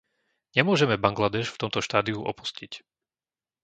Nemôžeme Bangladéš v tomto štádiu opustiť.